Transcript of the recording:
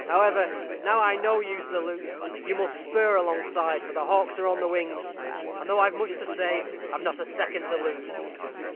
However, now I know you, Sir Luke, you must spur alongside, for the hawks are on the wing; and though I've much to say, I've not a second to lose."